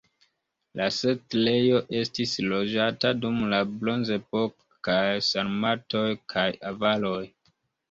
La setlejo estis loĝata dum la bronzepoko kaj de sarmatoj kaj avaroj.